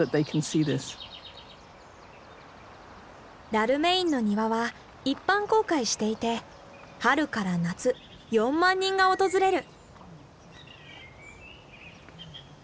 ダルメインの庭は一般公開していて春から夏４万人が訪れる。